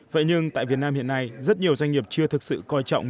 vậy nhưng tại việt nam hiện nay rất nhiều doanh nghiệp chưa thực sự coi trọng